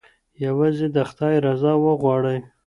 یوازې د خدای رضا وغواړئ.